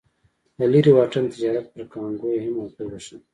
د لرې واټن تجارت پر کانګو یې هم اغېز وښند.